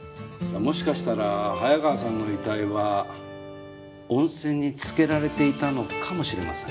もしかしたら早川さんの遺体は温泉に浸けられていたのかもしれません。